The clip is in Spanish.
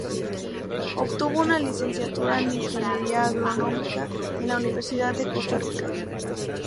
Obtuvo una Licenciatura en Ingeniería Agronómica en la Universidad de Costa Rica.